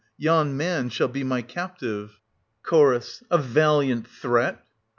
Yon man shall be my captive. Ch. A valiant a deed. Ch.